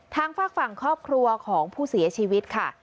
ฝากฝั่งครอบครัวของผู้เสียชีวิตค่ะ